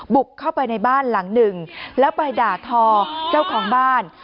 บุกเข้าไปในบ้านหลังหนึ่งแล้วไปด่าทอเจ้าของบ้าน